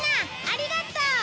ありがとう！